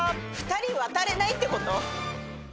２人渡れないってこと？